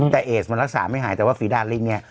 แต่เอสมันรักษาไม่หายแต่ว่าฝีดาลิงเนี่ย